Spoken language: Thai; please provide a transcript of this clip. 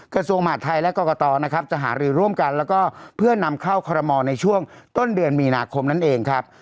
กระทรวงมหาดไทยและกรกตนะครับจะหารือร่วมกันแล้วก็เพื่อนำเข้าคอรมอลในช่วงต้นเดือนมีนาคมนั่นเองครับ